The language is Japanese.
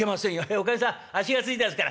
おかみさんあっしがついてますから。